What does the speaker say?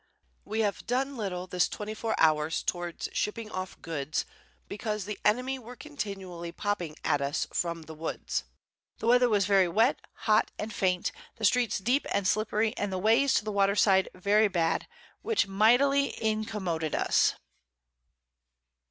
We have done little this 24 Hours towards shipping off Goods, because the Enemy were continually popping at us from the Woods. The Weather was very wet, hot and faint, the Streets deep and slippery, and the Ways to the Water side very bad, which mightily incommoded us.